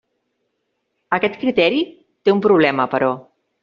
Aquest criteri té un problema, però.